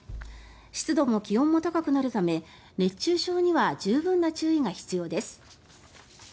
湿度も気温も高くなるため熱中症には十分な注意が必要です。